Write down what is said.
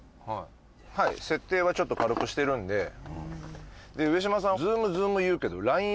はい設定はちょっと軽くしてるんでで上島さんＺｏｏｍＺｏｏｍ言うけどＬＩＮＥ